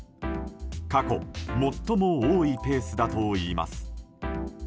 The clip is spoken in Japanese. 過去最も多いペースだといいます。